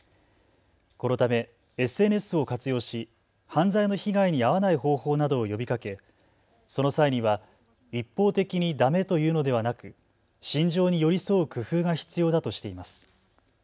このためＳＮＳを活用し犯罪の被害に遭わない方法などを呼びかけその際には一方的にだめと言うのではなく心情に寄り添う工夫が必要だとしています。